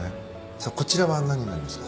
さあこちらは何になりますか？